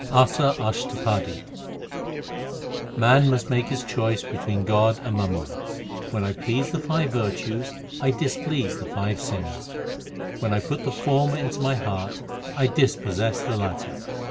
ASA ASHTAPADI Man must make his choice between God and mammon : When I please the five virtues, I displease the five sins. When I put the former into my heart, I dispossess the latter.